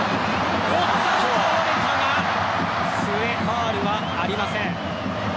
浅野が倒れたがファウルはありません。